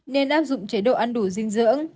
nên áp dụng chế độ ăn đủ dinh dưỡng